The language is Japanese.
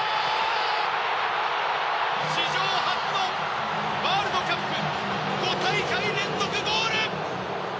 史上初のワールドカップ５大会連続ゴール！